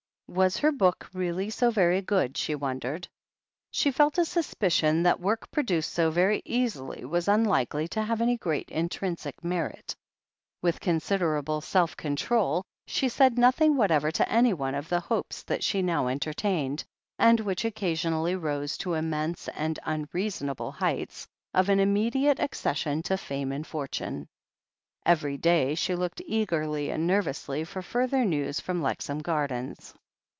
Was her book really so very good, she wondered? She felt a suspicion that work produced so very easily was unlikely to have any great intrinsic merit. With considerable self control, she said nothing whatever to anyone of the hopes that she now enter tained, and which occasionally rose to immense and tmreasonable heights, of an immediate accession to fame and fortune. Every day she looked eagerly and nervously for further news from Lexham Gardens.